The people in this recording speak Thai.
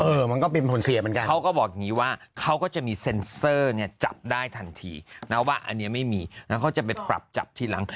มันก็เป็นคนเคลียร์เหมือนกันเขาก็บอกอย่างนี้ว่าเขาก็จะมีเซ็นเซอร์เนี่ยจับได้ทันทีนะว่าอันนี้ไม่มีแล้วเขาจะไปปรับจับทีหลัง